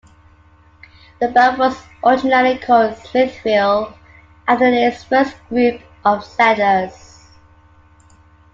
The borough was originally called "Smithville," after its first group of settlers.